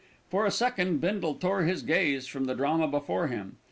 For a second Bindle tore his gaze from the drama before him.